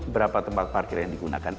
berapa tempat parkir yang digunakan